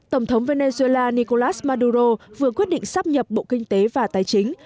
tổng thống venezuela nicolas maduro vừa quyết định sắp nhập bộ kinh tế và tài chính